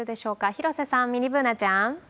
広瀬さん、ミニＢｏｏｎａちゃん？